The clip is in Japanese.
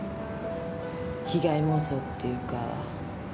被害妄想っていうか。